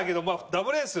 ダブルエース。